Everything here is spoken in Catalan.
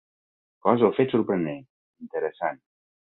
Cosa o fet sorprenent, interessant.